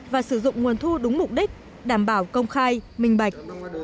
và sử dụng nguồn thu đúng mục đích đảm bảo công khai minh bạch